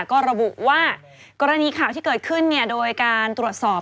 ก็ระบุว่ากรณีข่าวที่เกิดขึ้นโดยการตรวจสอบ